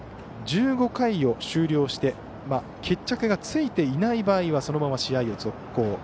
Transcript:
１５回を終了して決着がついていない場合はそのまま試合を続行。